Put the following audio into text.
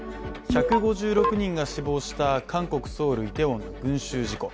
１５６人が死亡した韓国・ソウルイテウォンの群集事故。